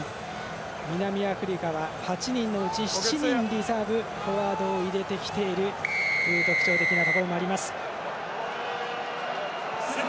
南アフリカは８人のうち７人、リザーブフォワードを入れてきている特徴的なところもあります。